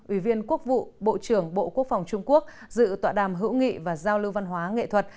ủy viên quốc vụ bộ trưởng bộ quốc phòng trung quốc dự tọa đàm hữu nghị và giao lưu văn hóa nghệ thuật